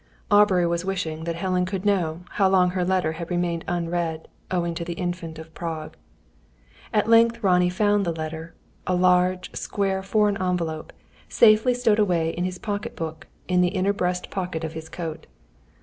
Aubrey was wishing that Helen could know how long her letter had remained unread, owing to the Infant of Prague. At length Ronnie found the letter a large, square foreign envelope safely stowed away in his pocket book, in the inner breast pocket of his coat.